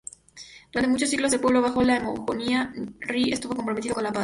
Durante muchos siglos, el pueblo bajo la hegemonía Nri estuvo comprometido con la paz.